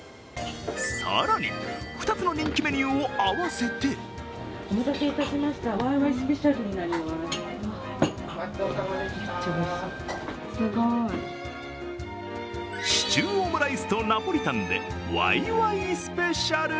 更に２つの人気メニューを合わせてシチューオムライスとナポリタンでＹＹスペシャル。